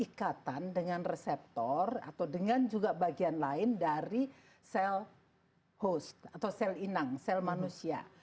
ikatan dengan reseptor atau dengan juga bagian lain dari sel host atau sel inang sel manusia